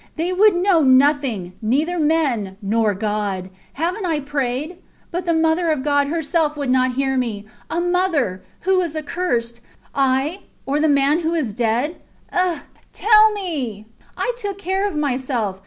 They would know nothing; neither men nor God. Havent I prayed! But the Mother of God herself would not hear me. A mother! ... Who is accursed I, or the man who is dead? Eh? Tell me. I took care of myself.